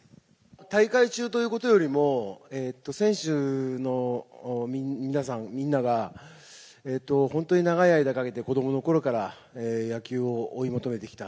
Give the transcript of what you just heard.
大会中ということよりも、選手の皆さん、みんなが、本当に長い間かけて子どものころから野球を追い求めてきた。